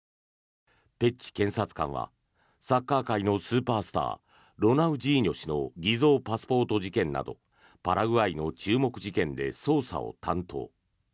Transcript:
ペッチ検察官はサッカー界のスーパースターロナウジーニョ氏の偽造パスポート事件などパラグアイの注目事件で捜査を担当。